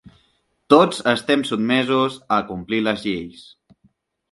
Tots estem sotmesos a complir les lleis.